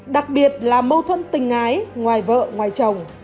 đặc biệt là mâu thuẫn tình ái ngoài vợ ngoài chồng